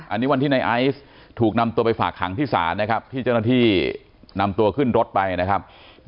อันนี้วันที่ในไอซ์ถูกนำตัวไปฝากขังที่ศาลนะครับที่เจ้าหน้าที่นำตัวขึ้นรถไปนะครับ